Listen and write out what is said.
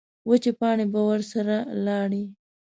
وچې پاڼې به ورسره لاړې.